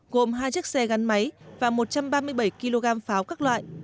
gồm hai chiếc xe gắn máy và một trăm ba mươi bảy kg pháo các loại